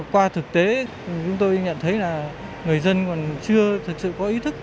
qua thực tế chúng tôi nhận thấy là người dân còn chưa thực sự có ý thức